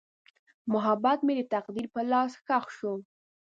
محبت مې د تقدیر په لاس ښخ شو.